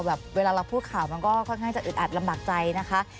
เวลาเราพูดข่าวมันก็ค่อนข้างจะอึดอัดลำบากใจนะคะ